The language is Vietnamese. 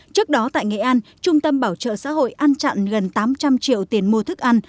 trước đó tại nghệ an trung tâm bảo trợ xã hội ăn chặn gần tám trăm linh triệu tiền mua thức ăn